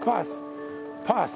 パス。